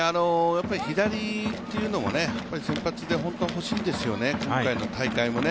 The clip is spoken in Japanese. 左というのも先発で本当は欲しいんですよね、今回の大会もね。